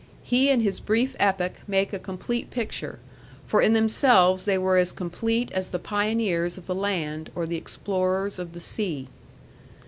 He and his brief epoch make a complete picture, for in themselves they were as complete as the pioneers of the land or the explorers of the sea.